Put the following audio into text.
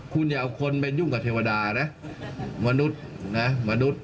คุณอย่าเอาคนไปยุ่งกับเทวดาเนี่ย